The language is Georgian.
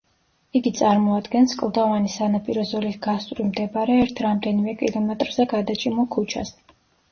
იგი წარმოადგენს კლდოვანი სანაპირო ზოლის გასწვრივ მდებარე ერთ რამდენიმე კილომეტრზე გადაჭიმულ ქუჩას.